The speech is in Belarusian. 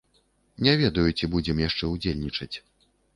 Не ведаю, ці будзем яшчэ ўдзельнічаць.